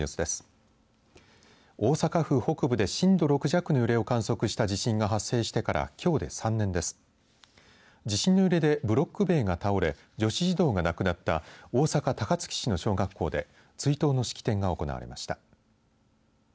地震の揺れでブロック塀が倒れ女子児童が亡くなった大阪、高槻市の小学校で追悼の式典が行われました。